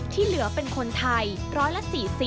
ที่เหลือเป็นคนไทยร้อยละ๔๐